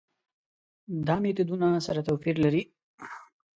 دا میتودونه سره توپیر لري.